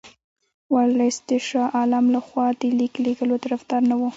ورلسټ د شاه عالم له خوا د لیک لېږلو طرفدار نه وو.